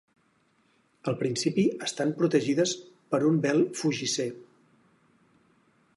Al principi estan protegides per un vel fugisser.